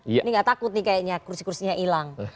ini gak takut nih kayaknya kursi kursinya hilang